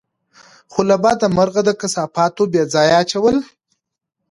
خو له بده مرغه، د کثافاتو بېځايه اچول